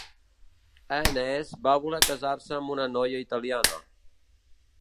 Enees va voler casar-se amb una noia italiana.